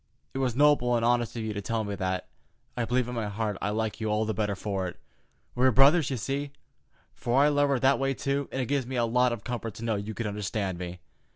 It was noble and honest of you to tell me that. I believe in my heart I like you all the better for it. We are brothers, you see, for I love her that way, too, and it gives me a lot of comfort to know you can understand me.